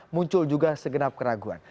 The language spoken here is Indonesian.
muncul juga segenap keraguan